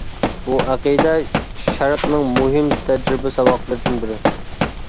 بۇ ئەقىدە شەرقنىڭ مۇھىم تەجرىبە-ساۋاقلىرىدىن بىرى.